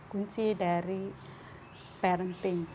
kunci dari parenting